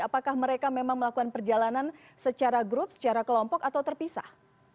apakah mereka memang melakukan perjalanan secara grup secara kelompok atau terpisah